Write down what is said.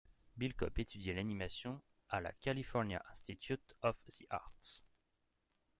Bill Kopp étudie l'animation à la California Institute of the Arts.